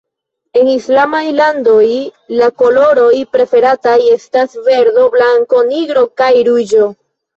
En Islamaj landoj la koloroj preferataj estas verdo, blanko, nigro kaj ruĝo.